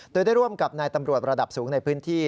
โดยได้ร่วมกับนายตำรวจระดับสูงในพื้นที่